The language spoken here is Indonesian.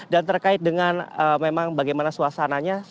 dan terkait dengan memang bagaimana suasananya